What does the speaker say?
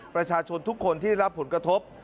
ประชาชนทุกคนที่รับผลกระทบ